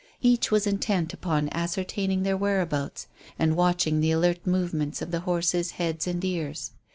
Each was intent upon ascertaining their whereabouts and watching the alert movements of the horses' heads and ears.